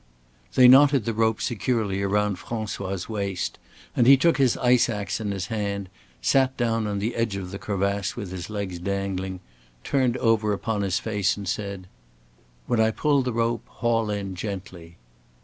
They knotted the rope securely about François' waist and he took his ice ax in his hand, sat down on the edge of the crevasse with his legs dangling, turned over upon his face and said: "When I pull the rope, haul in gently."